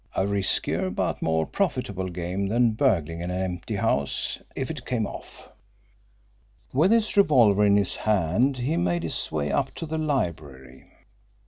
A riskier but more profitable game than burgling an empty house if it came off. With his revolver in his hand he made his way up to the library.